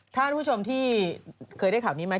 ท่านผู้ชมที่เคยได้ข่าวนี้ไหม